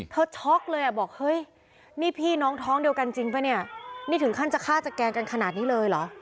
ช็อกเลยอ่ะบอกเฮ้ยนี่พี่น้องท้องเดียวกันจริงป่ะเนี่ยนี่ถึงขั้นจะฆ่าจะแกล้งกันขนาดนี้เลยเหรอ